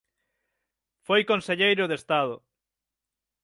Foi conselleiro de Estado.